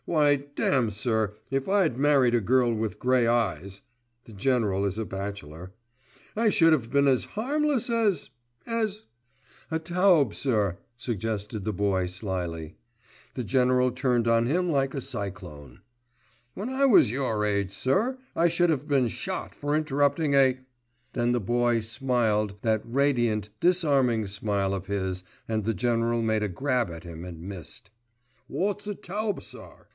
Why damme, sir, if I'd married a girl with grey eyes (the General is a bachelor) I should have been as harmless as—as——" "A taube, sir," suggested the Boy slyly. The General turned on him like a cyclone. "When I was your age, sir, I should have been shot for interrupting a——" Then the Boy smiled that radiant, disarming smile of his and the General made a grab at him and missed. "Wot's a 'towber,' sir?"